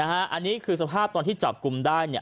อันนี้คือสภาพตอนที่จับกลุ่มได้